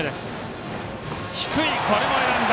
低い、これも選んだ。